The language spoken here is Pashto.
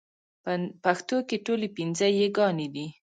پښتو کې ټولې پنځه يېګانې دي